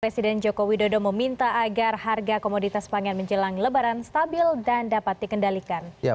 presiden joko widodo meminta agar harga komoditas pangan menjelang lebaran stabil dan dapat dikendalikan